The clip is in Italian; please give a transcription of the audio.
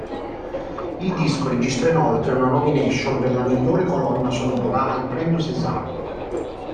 Il disco registra inoltre una nomination per la migliore colonna sonora al Premio César.